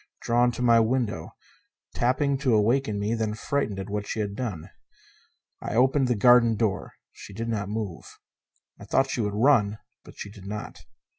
Drawn to my window; tapping to awaken me, then frightened at what she had done. I opened the garden door. She did not move. I thought she would run, but she did not.